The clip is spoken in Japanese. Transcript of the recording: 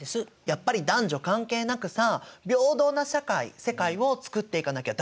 やっぱり男女関係なくさ平等な社会世界をつくっていかなきゃだめだよね！